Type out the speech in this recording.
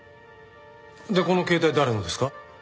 でこの携帯誰のですか？